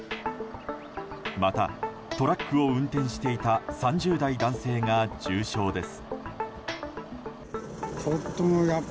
また、トラックを運転していた３０代男性が重傷です。